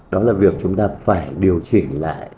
đó là việc chúng ta phải điều chỉnh lại